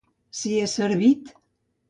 Si és servit.